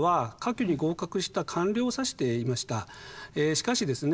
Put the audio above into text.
しかしですね